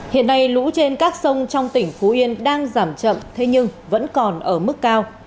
hiện nay lũ trên các sông trong tỉnh phú yên đang giảm chậm thế nhưng vẫn còn ở mức cao